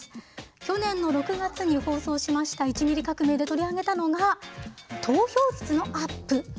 去年の６月に放送しました「１ミリ革命」で取り上げたのが投票率のアップ。